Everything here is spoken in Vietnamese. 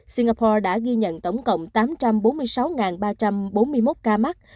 singapore đã ghi nhận tổng cộng tám trăm bốn mươi sáu ba trăm bốn mươi một ca mắc